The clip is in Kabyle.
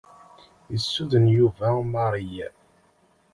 Yessuden Yuba Mary.